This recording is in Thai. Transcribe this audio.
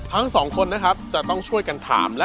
การตอบคำถามแบบไม่ตรงคำถามนะครับ